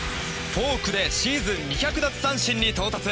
フォークでシーズン２００奪三振に到達！